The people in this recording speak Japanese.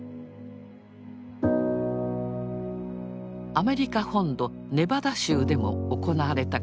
アメリカ本土ネバダ州でも行われた核実験。